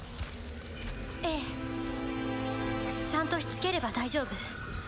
ええちゃんとしつければ大丈夫